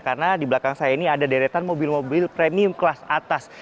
karena di belakang saya ini ada deretan mobil mobil premium kelas atas